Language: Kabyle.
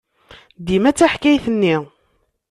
Dima d taḥkayt-nni.